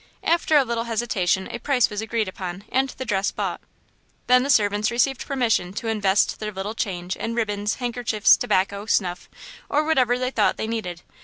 After a little hesitation a price was agreed upon and the dress bought. Then the servants received permission to invest their little change in ribbons, handkerchiefs, tobacco, snuff, or whatever they thought they needed.